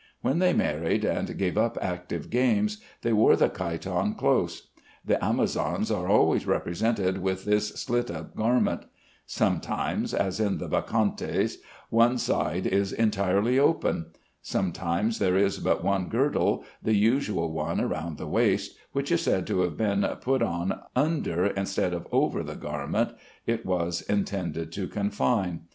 When they married, and gave up active games, they wore the chiton close. The Amazons are always represented with this slit up garment. Sometimes (as in the Bacchantes) one side is entirely open. Sometimes there is but one girdle, the usual one round the waist, which is said to have been put on under instead of over the garment it was intended to confine.